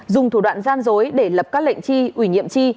dùng thủ đoạn gian dối để lập các lệnh chi ủy nhiệm chi